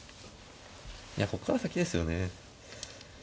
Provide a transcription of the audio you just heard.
いやここから先ですよね。